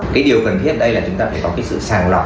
cái điều cần thiết đây là chúng ta phải có cái sự sàng lọc